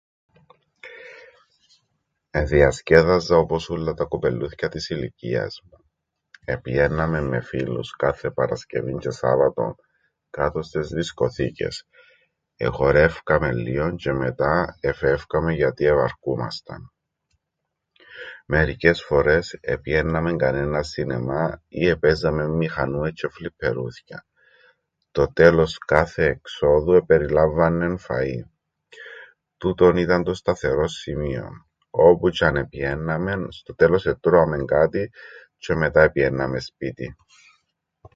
Εδιασκέδαζα όπως ούλλα τα κοπελλούθκια της ηλικίας μου. Επηαίνναμεν με φίλους κάθε Παρασκευήν τζ̆αι Σάββατον κάτω στες δισκοθήκες. Εχορεύκαμεν λλίον τζ̆αι μετά εφεύκαμεν γιατί εβαρκούμασταν. Μερικές φορές επηαίνναμεν κανέναν σινεμά ή επαίζαμεν μηχανούες τζ̆αι φλιππερούθκια. Το τέλος κάθε εξόδου επεριλάμβαννεν φαΐν. Τούτον ήταν το σταθερόν σημείον. Όπου τζ̆' αν επηαίνναμεν, στο τέλος ετρώαμεν κάτι τζ̆αι μετά επηαίνναμεν σπίτιν.